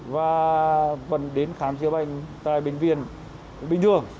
và vẫn đến khám chữa bệnh tại bệnh viện bình dương